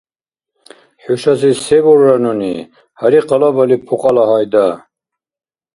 ХӀушази се бурра нуни, гьари къалабали, пукьала, гьайда!!